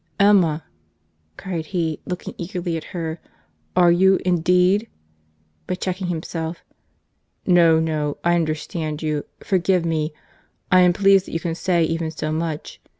"Emma!" cried he, looking eagerly at her, "are you, indeed?"—but checking himself—"No, no, I understand you—forgive me—I am pleased that you can say even so much.